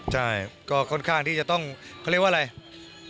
ใช่ก็ค่อนข้างที่จะต้องเขาเรียกว่าอะไร